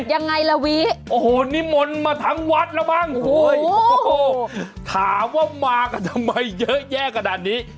ยังไงล่ะวิโอ้โหนิมนต์มาทั้งวัดแล้วมั้งโอ้โหถามว่ามากันทำไมเยอะแยะขนาดนี้